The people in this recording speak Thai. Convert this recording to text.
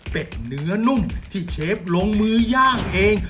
เป็นเนื้อนุ่มที่เชฟลงมืย่างเอง